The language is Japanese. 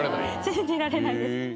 信じられないです